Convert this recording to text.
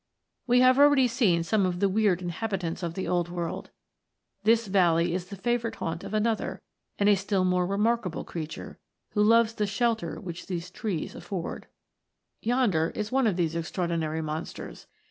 We have already seen some of the weird inha bitants of the Old World ; this valley is the favou rite haunt of another and a still more remarkable THE AGE OF MONSTERS. 11 creature, who loves the shelter which these trees afford. Yonder is one of these extraordinary monsters.